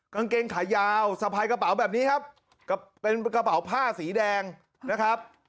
กางเกงขายาวสะพายกระเป๋าแบบนี้ครับเป็นกระเป๋าผ้าสีแดงนะครับ